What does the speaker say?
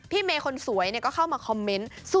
เมย์คนสวยก็เข้ามาคอมเมนต์